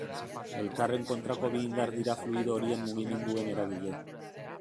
Elkarren kontrako bi indar dira fluido horien mugimenduen eragile.